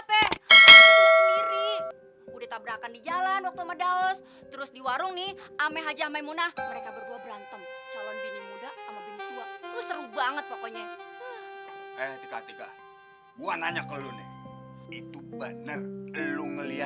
pertama rumah anak mba bego kemana lagi ya